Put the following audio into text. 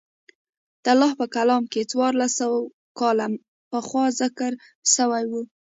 د الله په کلام کښې څوارلس سوه کاله پخوا ذکر سوي وو.